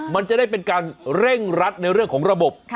มันจะได้เป็นการเร่งรัดในเรื่องของระบบ